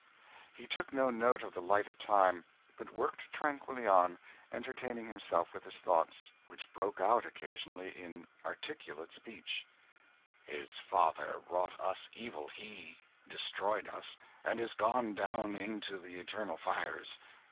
He took no note of the flight of time, but worked tranquilly on, entertaining himself with his thoughts, which broke out occasionally in articulate speech "His father wrought us evil, he destroyed us and is gone down into the eternal fires!